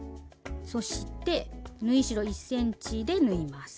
そして縫い代１ｃｍで縫います。